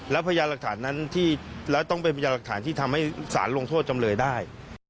และต้องเป็นพยาหลักฐานที่ทำให้ศาลลงโทษจำเลยได้